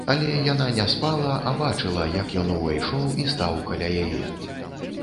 Але яна не спала, а бачыла, як ён увайшоў і стаў каля яе.